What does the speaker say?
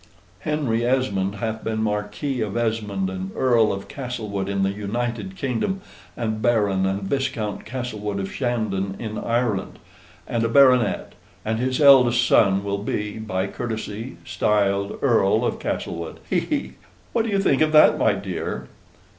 Henry Esmond hath been Marquis of Esmond and Earl of Castlewood in the United Kingdom, and Baron and Viscount Castlewood of Shandon in Ireland, and a Baronet and his eldest son will be, by courtesy, styled Earl of Castlewood he! he! What do you think of that, my dear?"